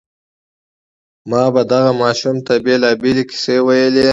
ما به دغه ماشوم ته بېلابېلې کيسې ويلې.